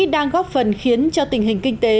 đang góp phần khiến cho tình hình kinh tế